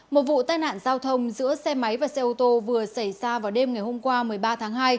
một vụ tai nạn giao thông giữa xe máy và xe ô tô vừa xảy ra vào đêm ngày hôm qua một mươi ba tháng hai